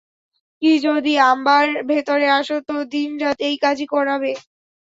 কী যদি, আবার ভেতরে আসো, তো দিন-রাত এই কাজই করাবে।